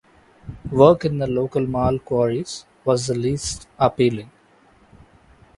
Work in the local Marl quarries was the least appealing.